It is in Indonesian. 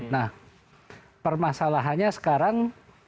nah permasalahannya sekarang